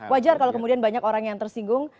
wajar kalau kemudian banyak orang yang tersinggung